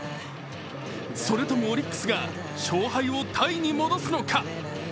それともオリックスが勝敗をタイに戻すのか。